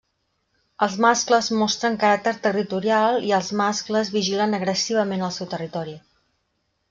Els mascles mostren caràcter territorial i els mascles vigilen agressivament el seu territori.